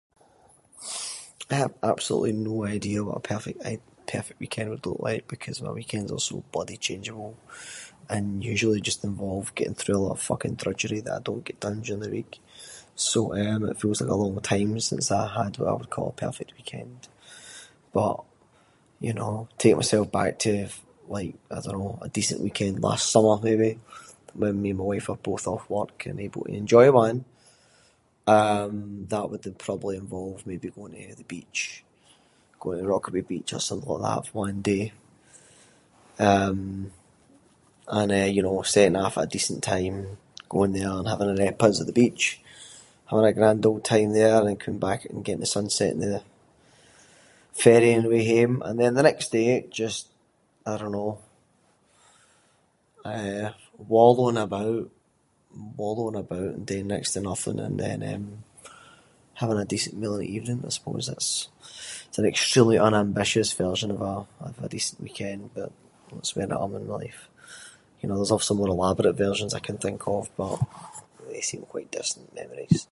I have absolutely no idea what a perfect I- perfect weekend would look like because my weekends are so bloody changeable, and usually just involve getting through a lot of fucking drudgery that I don’t get done during the week. So, eh, it feels like a long time since I had what I would call a perfect weekend. But you know, take myself back to like you know, a decent weekend last summer maybe, when me and my wife are both off work and able to enjoy one. Um, that would probably involve maybe going to the beach, going to the Rockaway beach or something like that… eh one day. Eh and you know, setting off at a decent time, going there and having a repas at the beach, having a grand old time there, and then coming back and getting the sunset on the ferry on the way hame. And then the next day, just I don’t know, eh wallowing about- wallowing about and doing next to nothing and then eh, having a decent meal in the evening I suppose that’s- that’s an extremely unambitious version of a- of a decent weekend, but that’s where I am in my life, you know there’s also more elaborate versions I can think of, but they seem quite distant memories.